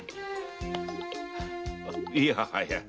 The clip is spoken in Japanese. いやはや。